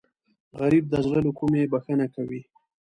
غریب د زړه له کومې بښنه کوي